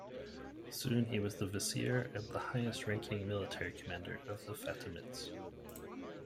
Soon he was the vizier and the highest-ranking military commander of the Fatimids.